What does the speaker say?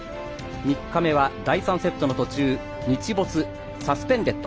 ３日目は第３セットの途中日没サスペンデッド。